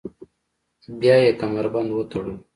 بیا یې کمربند وتړلو.